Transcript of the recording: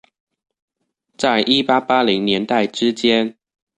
在一八八零年代之間